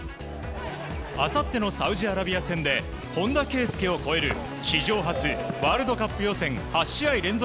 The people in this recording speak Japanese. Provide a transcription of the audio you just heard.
あさってのサウジアラビア戦で本田圭佑を超える史上初、ワールドカップ予選８試合連続